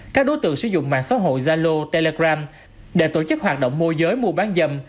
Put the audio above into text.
các đối tượng sử dụng mạng xã hội zalo telegram để tổ chức hoạt động môi giới mua bán dâm